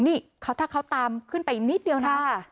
นี่ถ้าเขาตามขึ้นไปอีกนิดเดียวนะ